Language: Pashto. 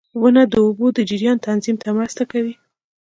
• ونه د اوبو د جریان تنظیم ته مرسته کوي.